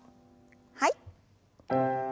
はい。